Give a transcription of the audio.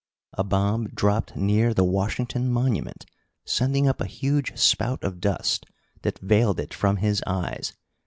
A bomb dropped near the Washington Monument, sending up a huge spout of dust that veiled it from his eyes.